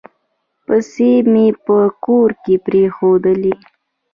پیسې مي په کور کې پرېښولې .